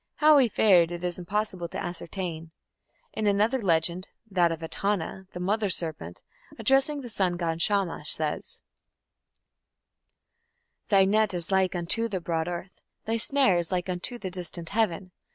How he fared it is impossible to ascertain. In another legend that of Etana the mother serpent, addressing the sun god, Shamash, says: Thy net is like unto the broad earth; Thy snare is like unto the distant heaven!